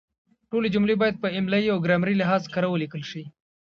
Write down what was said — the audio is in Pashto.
ټولې جملې باید په املایي او ګرامري لحاظ کره ولیکل شي.